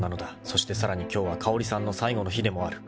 ［そしてさらに今日は香織さんの最後の日でもある］